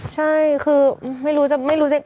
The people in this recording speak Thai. ใช่คือไม่รู้ไม่รู้จริง